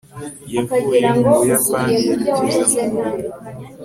yavuye mu buyapani yerekeza mu burayi